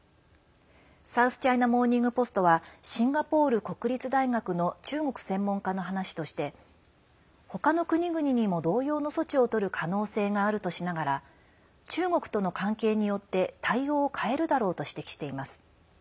サウスチャイナ・モーニングポストはシンガポール国立大学の中国専門家の話として他の国々にも同様の措置をとる可能性があるとしながら中国との関係によって対応を変えるだろうと指摘しています。